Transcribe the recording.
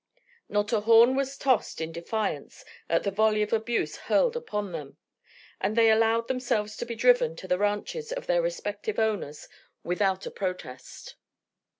Not a horn was tossed in defiance at the volley of abuse hurled upon them, and they allowed themselves to be driven to the ranches of their respective owners without a protest.